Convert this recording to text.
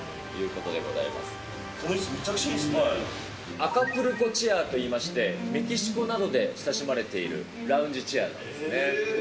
このいす、めちゃくちゃいいアカプルコチェアといいまして、メキシコなどで親しまれているラウンジチェアですね。